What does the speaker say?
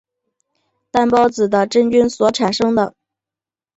担孢子的真菌所产生的。